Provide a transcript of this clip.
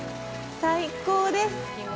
最高です！